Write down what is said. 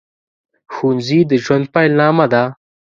ښوونځي د ژوند پیل نامه ده